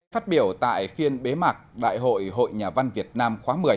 phát biểu tại phiên bế mạc đại hội hội nhà văn việt nam khóa một mươi